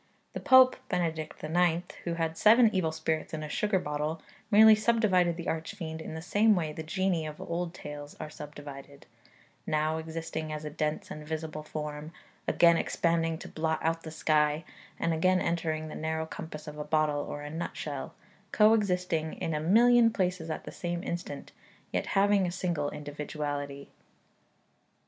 The Pope (Benedict IX.) who had seven evil spirits in a sugar bottle, merely subdivided the arch fiend in the same way the genii of the old tales are subdivided now existing as a dense and visible form, again expanding to blot out the sky, and again entering the narrow compass of a bottle or a nut shell; co existing in a million places at the same instant, yet having a single individuality.